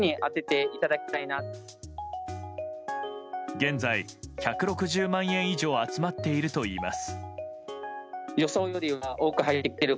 現在、１６０万円以上集まっているといいます。